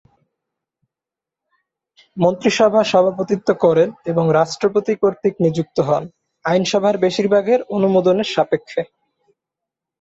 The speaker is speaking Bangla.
মন্ত্রিসভা সভাপতিত্ব করেন এবং রাষ্ট্রপতি কর্তৃক নিযুক্ত হন, আইনসভার বেশিরভাগের অনুমোদনের সাপেক্ষে।